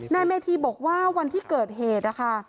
นายเมธีบอกว่าวันที่เกิดเหตุนะคะ